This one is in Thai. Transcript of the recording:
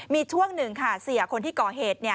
มีช่วงหนึ่งค่ะเสียคนที่ก่อเหตุ